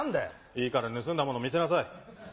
いいから盗んだもの見せなさい。